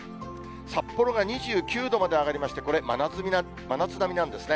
札幌が２９度まで上がりまして、これ、真夏並みなんですね。